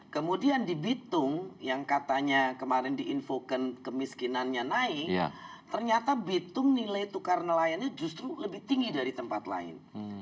kemudian di bitung yang katanya kemarin diinfokan kemiskinannya naik ternyata bitung nilai tukar nelayannya justru lebih tinggi dari tempat lain